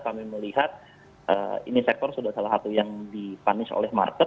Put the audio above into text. kami melihat ini sektor sudah salah satu yang di punish oleh market